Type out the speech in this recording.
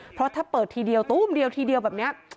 เพราะถ้าเปิดทีเดียวตู้มเดียวทีเดียวแบบนี้